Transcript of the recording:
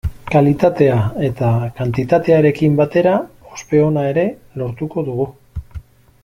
Kalitatea eta kantitatearekin batera ospe ona ere lortuko dugu.